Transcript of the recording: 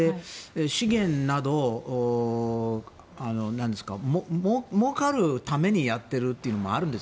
資源など、もうかるためにやっているというのもあるんです。